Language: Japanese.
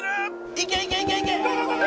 いけいけいけいけ！